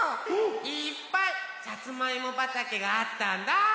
いっぱいさつまいもばたけがあったんだ！